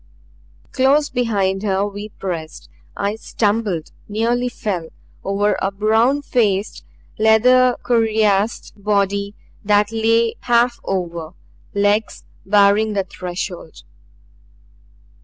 Close behind her we pressed. I stumbled, nearly fell, over a brown faced, leather cuirassed body that lay half over, legs barring the threshold.